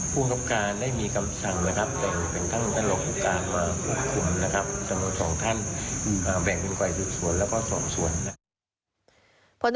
พลตรศสมพงษ์ทองไบผู้บังคับการจริงเต็มมาที่ปกติ